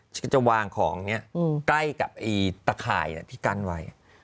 ฉันก็จะวางของเนี่ยใกล้กับตะข่ายที่กั้นไว้